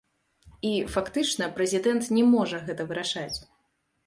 І, фактычна, прэзідэнт не можа гэта вырашаць.